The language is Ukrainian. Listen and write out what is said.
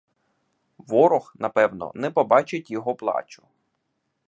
Ворог напевно не побачить його плачу.